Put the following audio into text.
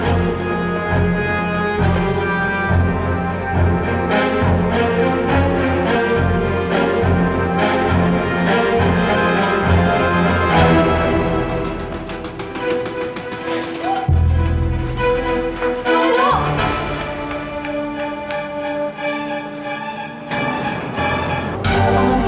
sampai jumpa di keluarga